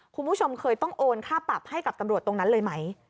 คุณผู้ชมเคยต้องโอนค่าปรับให้กับตำรวจตรงนั้นเลยไหม